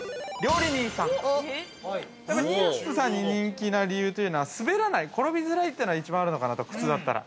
◆妊婦さんに人気な理由というのは滑らない、転びづらいというのが一番あるのかなと、靴だったら。